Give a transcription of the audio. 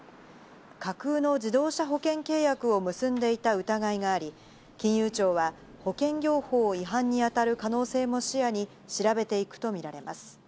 架空の自動車保険契約を結んでいた疑いがあり、金融庁は保険業法違反にあたる可能性も視野に調べていくと見られます。